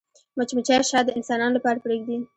مچمچۍ شات د انسانانو لپاره پرېږدي